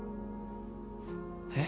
えっ。